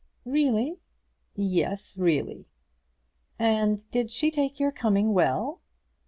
"Really?" "Yes; really." "And did she take your coming well?"